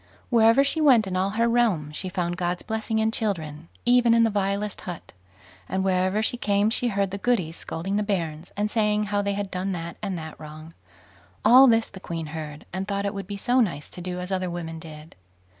Wherever she went in all her realm she found God's blessing in children, even in the vilest hut; and wherever she came she heard the Goodies scolding the bairns, and saying how they had done that and that wrong. All this the queen heard, and thought it would be so nice to do as other women did.